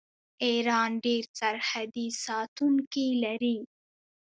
ایران ډیر سرحدي ساتونکي لري.